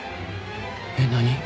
えっ？何？